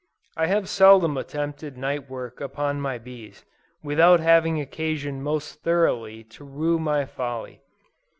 I have seldom attempted night work upon my bees, without having occasion most thoroughly to rue my folly.